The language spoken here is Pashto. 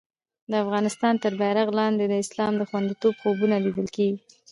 د افغانستان تر بېرغ لاندې د اسلام د خوندیتوب خوبونه لیدل کېږي.